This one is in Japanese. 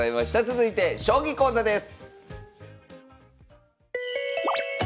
続いて将棋講座です。